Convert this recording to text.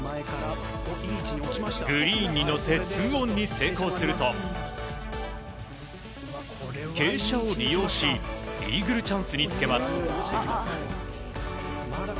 グリーンにのせ２オンに成功すると傾斜を利用しイーグルチャンスにつけます。